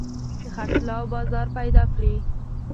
د خرڅلاو بازار پيدا کړي.